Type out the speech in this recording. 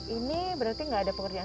ini berarti nggak ada pekerjaan